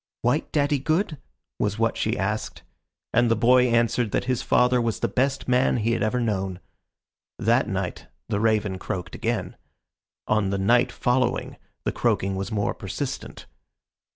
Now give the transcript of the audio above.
"White daddy good?" was what she asked, and the boy answered that his father was the best man he had ever known. That night the raven croaked again. On the night following the croaking was more persistent.